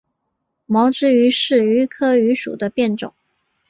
毛枝榆是榆科榆属的变种。